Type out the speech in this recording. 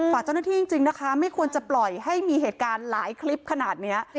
ฝากเจ้าหน้าที่จริงนะคะไม่ควรจะปล่อยให้มีเหตุการณ์หลายคลิปขนาดนี้